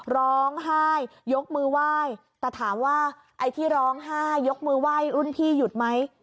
ร้องไห้ยกมือไหว้แต่ถามว่าไอ้ที่ร้องไห้ยกมือไหว้รุ่นพี่หยุดไหม